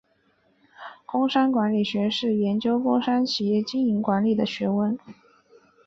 工商管理学是研究工商企业经营管理的学问。